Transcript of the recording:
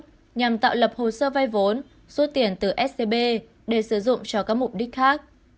nhằm tạo lập hồ sơ vay vốn rút tiền từ scb để sử dụng cho các mục đích khác